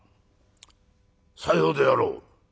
「さようであろう」。